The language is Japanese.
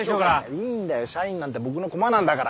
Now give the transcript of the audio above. いいんだよ社員なんて僕の駒なんだから。